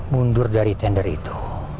mundur dari tender itu